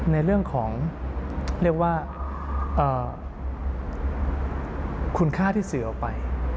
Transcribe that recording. ในเรื่องของเรียกว่าคุณค่าที่สื่อออกไป